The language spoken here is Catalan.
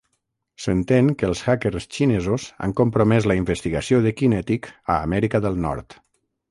S'entén que els hackers xinesos han compromès la investigació a QinetiQ a Amèrica del Nord.